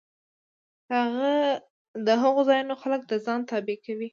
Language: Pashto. د هغو ځایونو خلک د ځان تابع کوي